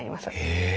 へえ。